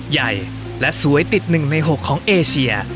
ใหญ่และสวยติดหนึ่งในหกของเอเชีย